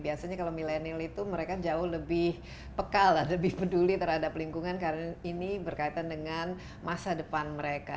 biasanya kalau milenial itu mereka jauh lebih pekal lah lebih peduli terhadap lingkungan karena ini berkaitan dengan masa depan mereka